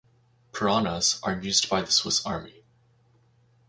Piranhas are used by the Swiss Army.